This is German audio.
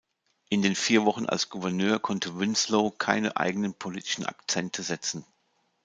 In den vier Wochen als Gouverneur konnte Winslow keine eigenen politischen Akzente setzen.